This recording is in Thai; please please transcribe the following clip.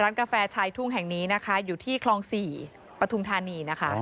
กาแฟชายทุ่งแห่งนี้นะคะอยู่ที่คลอง๔ปฐุมธานีนะคะ